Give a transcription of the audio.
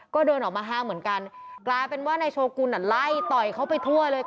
ก็เดินออกมาห้ามเหมือนกันกลายเป็นว่านายโชกุลไล่ต่อยเขาไปทั่วเลยค่ะ